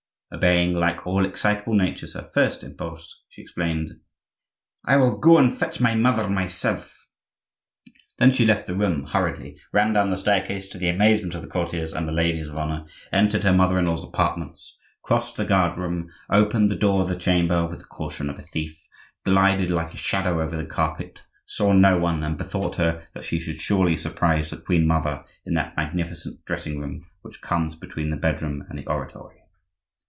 Obeying, like all excitable natures, her first impulse, she exclaimed:— "I will go and fetch my mother myself!" Then she left the room hurriedly, ran down the staircase, to the amazement of the courtiers and the ladies of honor, entered her mother in law's apartments, crossed the guard room, opened the door of the chamber with the caution of a thief, glided like a shadow over the carpet, saw no one, and bethought her that she should surely surprise the queen mother in that magnificent dressing room which comes between the bedroom and the oratory.